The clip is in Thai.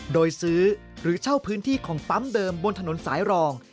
โดยซื้อหรือเช่าพื้นที่ของปั๊มเดิมบนถนนสายรอง